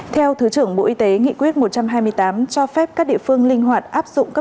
theo thứ trưởng bộ y tế nghị quyết một trăm hai mươi tám cho phép các địa phương linh hoạt áp dụng các